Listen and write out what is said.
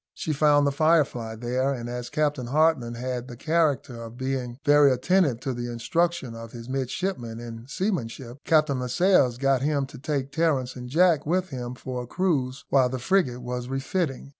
She found the Firefly there, and as Captain Hartland had the character of being very attentive to the instruction of his midshipmen in seamanship, Captain Lascelles got him to take Terence and Jack with him for a cruise while the frigate was refitting.